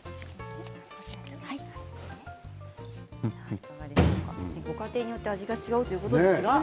いかがでしょうかご家庭によって味が違うということですが。